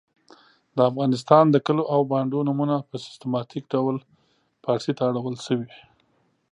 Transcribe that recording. د افغانستان د کلو او بانډو نومونه په سیستماتیک ډول پاړسي ته اړول سوي .